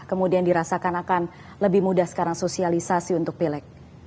kemudian dirasakan akan lebih mudah sekarang sosialisasi untuk pileg